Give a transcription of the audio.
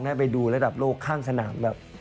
ได้ไปดูระดับโลกข้างสนาม